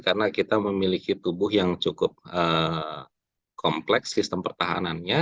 karena kita memiliki tubuh yang cukup kompleks sistem pertahanannya